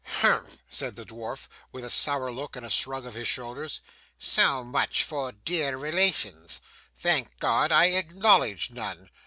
'Humph!' said the dwarf with a sour look and a shrug of his shoulders, 'so much for dear relations. Thank God I acknowledge none!